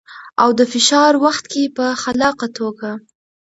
او د فشار وخت کې په خلاقه توګه.